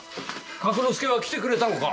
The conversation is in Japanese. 角之助は来てくれたのか？